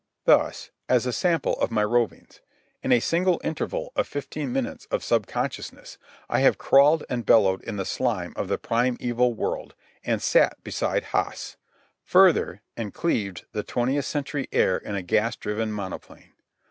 Thus, as a sample of my rovings: in a single interval of fifteen minutes of subconsciousness I have crawled and bellowed in the slime of the primeval world and sat beside Haas—further and cleaved the twentieth century air in a gas driven monoplane.